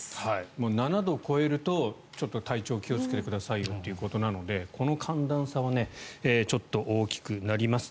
もう７度を超えると体調に気をつけてくださいよということなのでこの寒暖差はちょっと大きくなります。